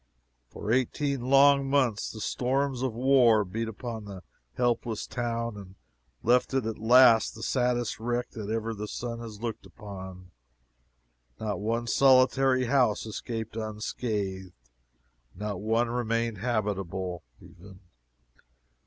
For eighteen long months the storms of war beat upon the helpless town, and left it at last the saddest wreck that ever the sun has looked upon. Not one solitary house escaped unscathed not one remained habitable, even.